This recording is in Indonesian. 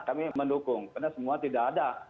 kami mendukung karena semua tidak ada